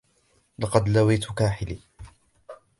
لقد لويت كاحلي.